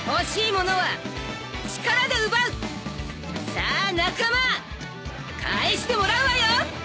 さあ仲間返してもらうわよ！